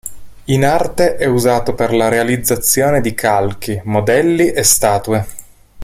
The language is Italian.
In arte è usato per la realizzazione di calchi, modelli e statue.